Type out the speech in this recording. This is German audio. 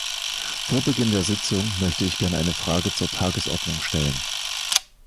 Vor Beginn der Sitzung möchte ich gerne eine Frage zur Tagesordnung stellen.